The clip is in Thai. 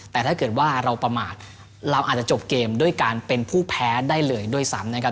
แต่ถ้าเกิดว่าเราประมาทเราอาจจะจบเกมด้วยการเป็นผู้แพ้ได้เลยด้วยซ้ำนะครับ